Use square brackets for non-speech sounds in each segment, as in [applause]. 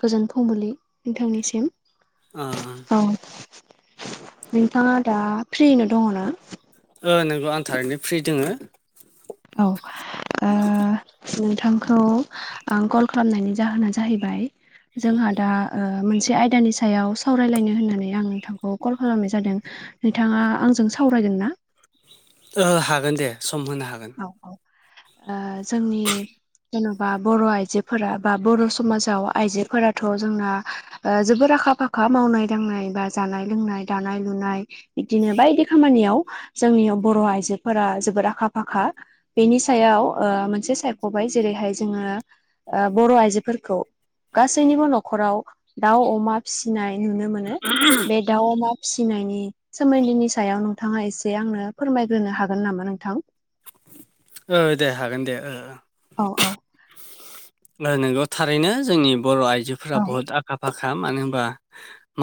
गोजोन फुंबिलि नोंथांनिसिम ओ औ। नोंथाङा दा फ्रिनो दङ ना? ओ नोंगौ आं थारैनो फ्रि दङो। औ ओ नोंथांखौ आं कल खालामनायनि जाहोना जाहैबाय जोंहा दा मोनसे आयदानि सायाव सावरायलायनो होननानै आं नोंथांखौ कल खालामनाय जादों। नोंथाङा आंजों सावरायगोन ना? ओ हागोन दे सम होनो हागोन। ओ जोंनि जेन'बा बर' आइजोफोरा बा बर' समाजाव आइजोफोराथ' जोंना ओ जोबोर आखा फाखा मावनाय दांनाय बा जानाय लोंनाय दानाय लुनाय बिदिनो बायदि खामानियाव जोंनि बर' आइजोफोरा जोबोद आखा फाखा। बेनि सायाव ओ मोनसे सायख'बाय जेरैहाय जोङो ओ बर' आइजोफोरखौ गासैनिबो न'खराव दाउ अमा फिसिनाय नुनो मोनो बे दाउ अमा फिसिनायनि सोमोन्दोनि सायाव नोंथाङा एसे आंनो फोरमायग्रोनो हागोन नामा नोंथां? ओ दे हागोन दे ओ ओ। औ औ। ओ नोंगौ थारैनो जोंनि बर' आइजोफोरा औ बुहुद आखा फाखा मानो होनबा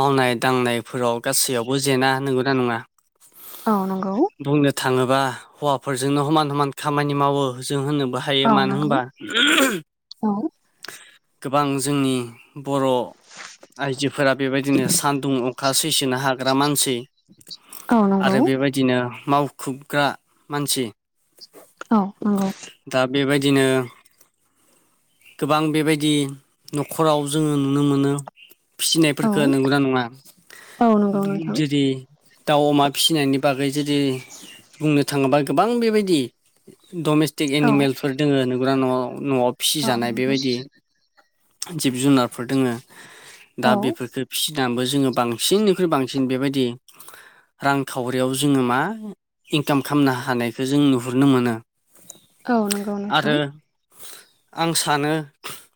मावनाय दांनायफोराव गासैयावबो जेना नगौना नङा? औ नंगौ। बुंनो थाङोबा हौवाफोरजोंनो हमान हमान खामानि मावो जों होनोबा औ नंगौ औ। गोबां जोंनि बर' आइजोफोरा बेबायदिनो सानदुं अखा सैसोननो हाग्रा मानसि औ नंगौ आरो बेबायदिनो मावखुबग्रा मानसि। औ नंगौ। दा बेबायदिनो गोबां बेबायदि न'खराव जोङो नुनो मोनो औ फिसिनायफोरखौ नंगौना नङा? औ नंगौ नोंथां [unintelligible] दाउ अमा फिसिनायनि बागै जुदि बुंनो थाङोबा गोबां बेबायदि डमेस्टिक एनिमेलफोर दोङो नंगौना न'आव न'आव? ओं। फिसिजानाय बेबायदि जिब जुनारफोर दङ औ दा बेफोरखौ फिसिनानैबो जोङो बांसिननिख्रुइ बांसिन बेबायदि रांखावरियाव जोङो मा इनकाम खालामनो हानायखौ जों नुहुरनो मोनो। औ नंगौ आरो नोंथां। आं सानो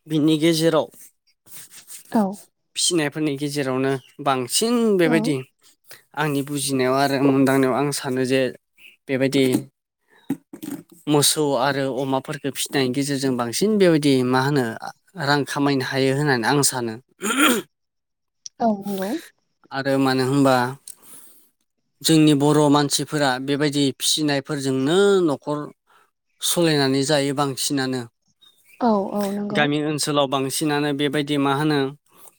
बिनि गेजेराव औ फिसिनाय फोरनि गेजेरावनो बांसिन औ बेबायदि आंनि बुजिनायाव आरो मोनदांनायाव आं सानो जे बेबायदि मोसौ आरो अमाफोरखौ फिसिनायनि गेजेरजों बांसि सिन बेबायदि मा होनो रां खामायनो हायो होननानै आं सानो। औ नंगौ। आरो मानो होमबा जोंनि बर' मानसिफोरा बेबायदि फिसिनायफोरजोंनो न'खर सलायनानै जायो बांसिनानो। औ- औ नं गामि ओनसोलाव बांसिनानो बेबायदि मा होनो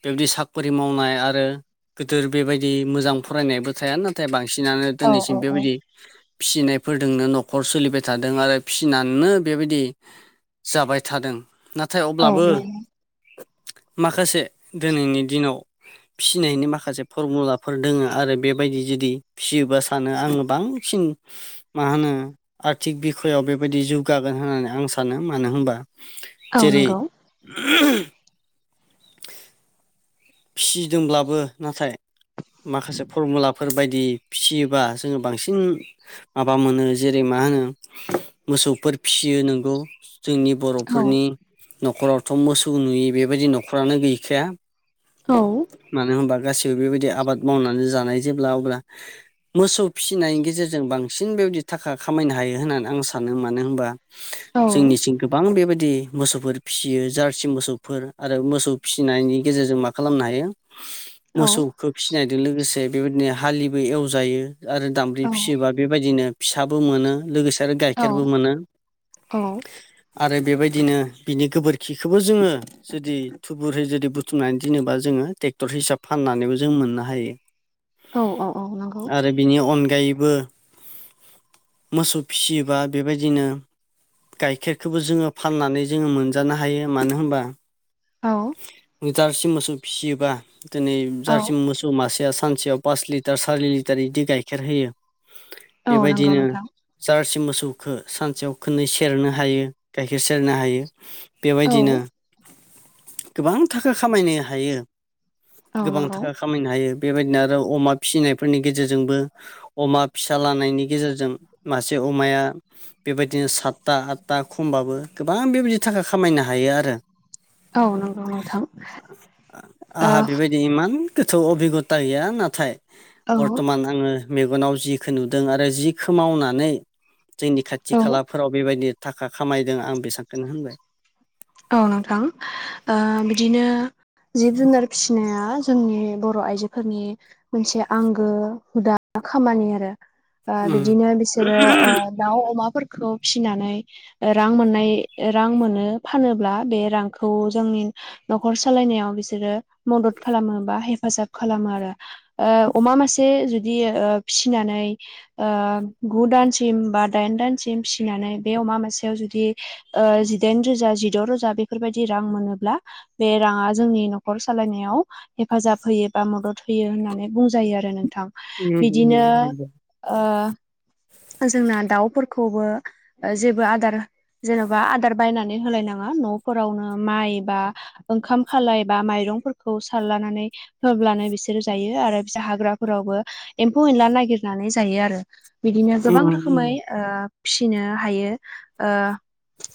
बेबायदि साखरि मावनाय आरो गोदोर बेबायदि मोजां फरायनायबो थाया ना थाय बांसिनानो औ दिनैसिम औ बेबायदि फिसिनायफोरदोंनो न'खर सोलिबाय थादों आरो फिसिनानैनो बेबायदि जाबाय थादों नाथाय औ अब्लाबो नंगौ माखासे दोनैनि दिनाव फिसिनायनि माखासे फरमुलाफोर दोङो आरो बेबायदि जुदि फिसियोबा सानो आङो बां सिन मा होनो आर्थिक बिखयाव बेबायदि जौगागोन होननानै आं सानो। मानो होमबा औ जेरै नंगौ फिसिदोंब्लाबो नाथाय माखासे फरमुलाफोर बायदि फिसियोबा जोङो बांसिन माबा मोनो जेरै मा होनो मोसौफोर फिसियो नोंगौ। जोंनि औ बर'फोरनि न'खरावथ' मोसौ नुयि बेबायदि न'खरानो गैखाया। औ। मानो होमबा गासैबो बेबायदि आबाद मावनानै जानाय जेब्ला अब्ला मोसौ फिसिनायनि गेजेरजों बांसिन बेबायदि थाखा खामायनो हायो होननानै आं सानो मानो होमबा औ जोंनि सिंग गोब बां बेबायदि मोसौफोर फिसियो जारसि मोसौफोर आरो मोसौ फिसिनायनि गेजेरजों माख खालामनो हायो औ मोसौखो फिनायदो लोगोसे बेबायदिनो हालिबो एवजायो। आरो दामब्रि फिसियोबा बेबायदिनो फिसाबो मोनो लोगोसे आरो औ गाइखेरबो मोनो। औ आरो बेबायदिनो बिनि गोबोरखिखोबो जोङो जुदि थुबुहै जुदि बुथुमनानै जेनेबा जोङो ट्रेक्टर हिसाब फाननानैबो जों मोननो हायो। औ औ नंगौ आरो बिनि अनगायैबो। [unintelligible] मोसौ फिसियोबा बेबायदिनो गाइखेरखौबो जोङो फाननानै जोङो मोनजानो हायो मानो होमबा औ। जारसि मोसौ फिसियोबा दिनै औ जारसि मोसौ सौ मासेया सानसेयाव पास लिटार सारि लिटार इदि गाइखेर होयो। औ नंगौ बेबायदिनो नोंथां जारसि मोसौखो सानसेयाव खोननै सेरनो हायो गाइखेर सेरनो हायो। औ बेबायदिनो गोबां थाखा खामायनो हायो। औ गोबां नंगौ थाखा खामायनो हायो बेबायदिनो आरो अमा फिसिनायफोरनि गेजेरजोंबो अमा फिसा लानायनि गेजेरजों मासे अमाया बेबायदिनो सात ताहात्ता खमबाबो गोबां बेबायदि थाखा खामायनो हायो आरो। औ नंगौ नोंथां। आहा औ बेबायदि इमान गोथौ अबिगता गैया नाथाय बरटमान आङो मेगनाव जिखो नुदों आरो जिखो मावनानै जोंनि खाथि औ खाला फोराव बेबायदि थाखा खामायदों आं बेसांखोनो होनबाय। औ नोंथां आ बिदिनो जिब जुनार फिसिनाया जोंनि बर' आइजोफोरनि मोनसे आंगो हुदा खामानि आरो आ उम बिदिनो बिस सोरो ओ दाउ अमाफोरखौ फिसिनानै रां मोननाय रां मोनो। फानोब्ला बे रांखौ जोंनि। न'खर सालायनायाव बिसोरो मदद खालामो बा हेफाजाब खालामो आरो। ओ अमा मासे जुदि ओ फिसिनानै। ओ गु दानसिम बा दाइन दानसिम फिसिनानै बे अमा मोनासेयाव जुदि। ओ जिदाइन रोजा जिद' रोजा बेफोरबायदि रां मोनोब्ला। बे रांङा जोंनि न'खर सालायनायाव। हेफाजाब होयो बा मदद होयो होननानै बुंजायो आरो नोंथां उम बिदिनो। उम ओ। जोंना दाउफोरखौबो ओ जेबो आदार जेन'बा आदार बायनानै होलायनां ङा न'फोरावनो माइ बा ओंखाम खालाय बा माइरंफोरखौ सारलनानै। होब्लानो बिसोरो जायो आरो बिसोर हाग्राफोरावबो एम्फौ एनला नागिरनानै जायो आरो। बिदिनो गोबां रोखोमै। ओ फिसिनो हायो ओ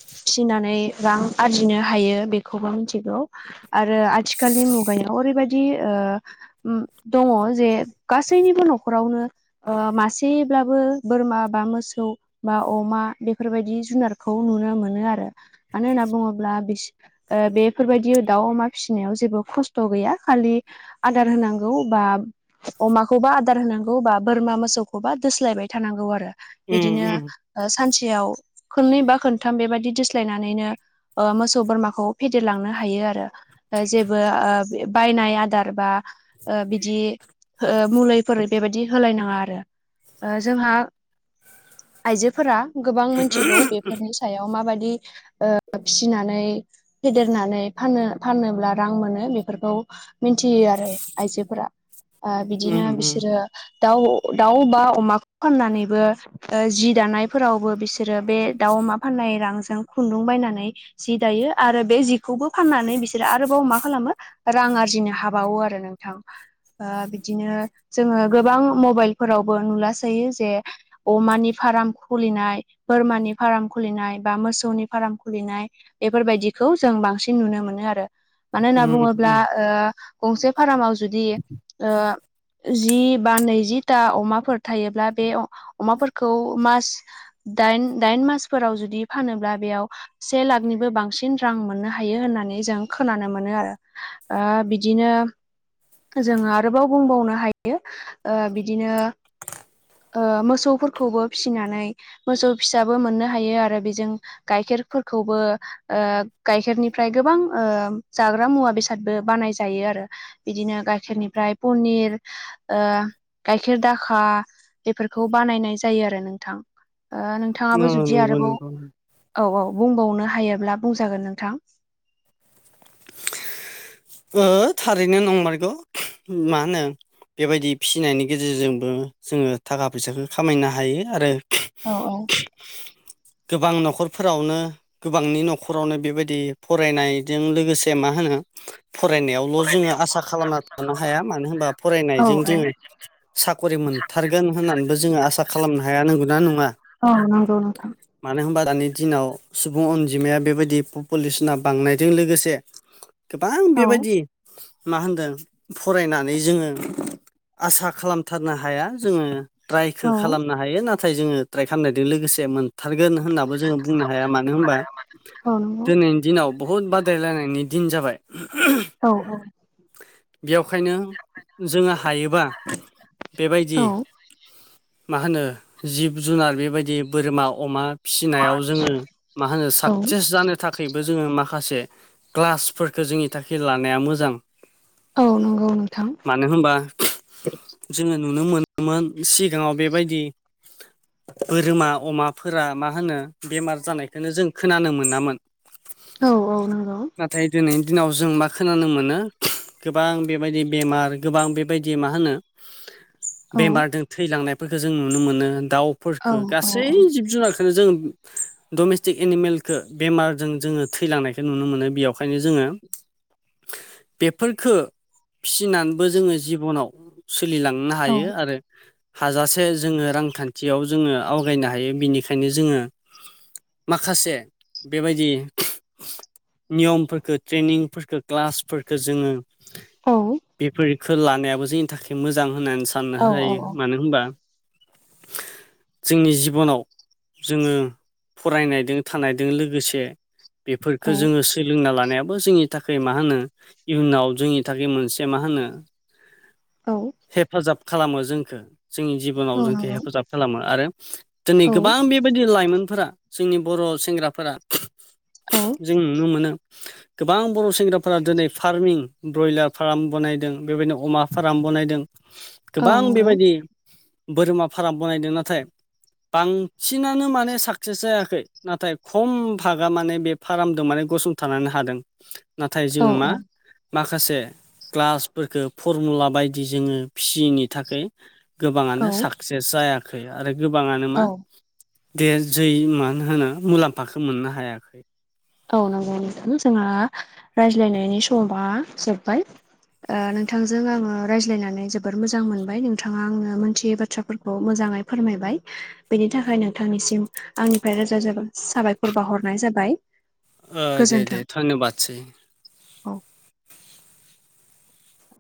फिसिनानै। रां आरजिनो हायो बेखौबो मिथिगौ आरो आथिखालनि मुगायाव ओरैबायदि। बि ओ उम दङ' जे गासैनिबो न'खरावनो। ओ मासेब्लाबो बोरमा बा मोसौ। बा अमा बेफोरबायदि जुनारखौ नुनो मोनो आरो मानो होनना बुङोब्ला बिसो ओ बेफोरबायदि दाउ अमा फिसिनायाव जेबो खस्थ' गैया खालि। आदार होनांगौ बा। अमाखौबा आदार होनांगौ बा बोरमा मोसौखौबा दोस्लायबाय थानांगौ आरो। उम बिदिनो उम ओ सानसेयाव खोननै बा खोनथाम बेबायदि दोस्लायनानै। नैनो ओ मोसौ बोरमाखौ फेदेरलांनो हायो आरो। जेबो ओ बे बायनाय आदार बा ओ बिदि। ओ मुलिफोर बेबायदि होलायनांङा आरो ओ जोंहा। आइजोफोरा गोबां मोनथिगौ बेफोरनि सायाव माबायदि। ओ फिसिनानै। फेदेरनानै फाननो फानोब्ला रां मोनो बेफोरखौ मिन्थियो आरो आइजोफोरा। ओ बिदिनो उम उम बिसोरो। दाउ दाउ बा अमाखौ फाननानैबो जि दानायफोरावबो बिसो रो बे दाउ अमा फाननाय रांजों खुन्दुं बायनानै जि दायो आरो बे जिखौबो फाननानै बिसोरो आरोबाव मा खालामो। रां आरजिनो हाबावो आरो नोंथां। बा बिदिनो जोंङो गोबां मबाइलफोरावबो नुलासोयो जे। अमानि फार्म खुलिनाय बोरमानि फार्म खुलिनाय बा मोसौनि। फाराम खुलिनाय बेफोरबायदिखौ जों बांसिन नुनो मोनो आरो। मानो होनना उम बुङोब्ला उम ओ गंसे फारामाव जुदि ओ। जि बा नैजिथा अमाफोर थायोब्ला बे अमाफोरखौ मास। दाइन दाइन मासफोराव जुदि फानोब्ला बेयाव। से लाखनिबो बांसिन रां मोननो हायो होननानै जों खोनानो मोनो आरो। ओ बिदिनो। जोंङो आरोबाव बुंबावनो हायो ओ बिदिनो। ओ मोसौफोरखौबो फिसिनानै। मोसौ फिसाबो मोननो हायो आरो बेजों गाइखेरफोरखौबो। ओ गाइखेरनिफ्राय गोबां ओ जाग्रा मुवा बेसादबो बानाय जायो आरो। बिदिनो गाइखेरनिफ्राय पनिर। ओ गायखेर दाखा बेफोरखौ बानायनाय जायो आरो नोंथां। ओ औ नोंथाङाबो जुदि नंगौ आरोबाव नंगौ औ औ बुंबावनो हायोब्ला बुंजागोन नोंथां। ओ थारैनो नंमारगौ मा होनो। बेबायदि फिसिनायनि गेजेरजोंबो जोंङो थाखा फैसाखौ खामायनो हायो आरो। औ औ गोबां न'खरफोरावनो गोबांनि न'खरावनो बेबायदि फरायनायजों लोगोसे मा होनो फरायनायावल' जोङो आसा खालामना थानो हाया मानो होनबा औ फरायनायजों जोङो साख'रि मोनथारगोन होननानैबो जोङो आसा खालामनो हाया नांगौ ना नङा औ नंगौ नोंथां मानो होनबा दानि दिनाव सुबुं अनजिमाया बेबायदि पलिउसना बांनायजों लोगोसे आं औ बेबायदि मा होनदों फरायनानै जोङो आसा खालामथारनो हाया जोङो रायखौ औ खालाम नो हायो नाथाय जोङो ट्राइ खालामनायजों लोगोसे मोनथारगोन होननाबो जोङो बुंनो हाया मानो होनबा औ नंगौ दिनैनि दिनाव बहुद बादायलायनायनि दिन जाबाय औ औ बेखायनो जोङो थायोबा बेबायदि औ मा होनो जिब जुनार बेबायदि बोरमा अमा फिसिनायाव जोङो मा होनो औ साक्सेस जानो थाखाय थाखायबो जोङो माखासे क्लासफोरफोरखौ जोंनि थाखाय लानाया मोजां औ नंगौ नोंथां मानो होनबा जोङो नुनो मोनोमोन सिगाङाव बेबायदि बोरमा अमाफोरा मा होनो बेमार जानायखौनो जों खोनानो मोनामोन। औ औ नंगौ नाथाय दिनैनि दिनाव जों मा खोनानो मोनो गोबां बेबायदि बेमार गोबां बेबायदि मा होनो औ बेमारजों थैलांनायफोरखौ जों नुनो मोनो औ दाउफोरफोरखौ औ गासै जिब जुनारखौनो जों डमेस्टिक एनिमेलखौ बेमारजों जोङो थैलांनायखौ नुनो मोनो बेयावखायनो जोङो बेफोरखो फिनानैबो जोङो जिबनाव सोलिलांनो औ हायो आरो हाजासे जोङो रांखान्थियाव जोङो आवगायनो हायो बिनिखायनो जोङो माखासे बेबायदि नियमफोरखौ ट्रेनिंफोरखौ क्लासफोरफोरखौ जोङो औ बेफोरखो लानायाबो जोंनि थाखाय मोजां होननानै साननो हायो मानो होनबा [inaudible] जोंनि जिबनाव जोङो फरायनायजों थानायजों लोगोसे औ बेफोरफोरखो जोङो सोलोंना लानायाबो जोंनि थाखाय मा होनो इयुनाव जोंनि थाखाय मोनसे मा होनो औ हेफाजाब खालामो जोंखौ जोंनि जिबनाव औ जोंखौ नंगौ हेफाजाब खालामो आरो दिनै औ गोबां बे बेबायदि लाइमोनफोरा जोंनि बर' सेंग्राफोरा औ जों नुनो मोनो गोबां बर' सेंग्राफोरा दिनै फार्मिं ब्रयलार फार्म बनायदों बेबायदिनो अमा फार्म बनायदों। औ गोबां नंगौ बेबायदि बोरमा फाराम बनायदों नाथाय बांसिनानो माने साकसेस जायाखै नाथाय खम भागा माने बे फारामजों माने गसंथानानै हादों। [inaudible] नाथाय औ जोङो मा माखासे क्लासफोरफोरखौ फरमुला बायदि जोङो फिसियैनि थाखाय औ गोबाङानो साक्सेस जायाखै आरो गोबाङानो औ मा देर जै मानो होनो मुलाम्फाखो मोननो हायाखै औ नंगौ नोंथां जोंहा रायज्लायनायनि समा जोब्बाय ओ नोंथांजों आङो रायज्लायनानै जोबोर मोजां मोनबाय नोंथाङा आंनो मोनथियै बाथ्राखौ फोरखौ मोजाङै फोरमायबाय बेनि थाखाय नोंथांनिसिम आंनिफ्राय रोजा रोजा साबायखर बावहरनाय जाबाय औ दे दे गोजोन्थों धन्यबादसै औ